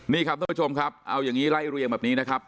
นี่ครับท่านผู้ชมครับเอาอย่างนี้ไล่เรียงแบบนี้นะครับ